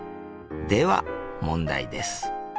では問題です。